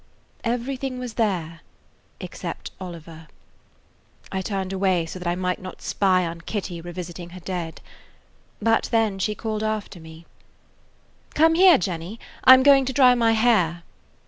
Everything was there except Oliver. I turned away so that I might not spy on Kitty revisiting her dead. But she called after me: "Come here, Jenny. I 'm going to dry my hair."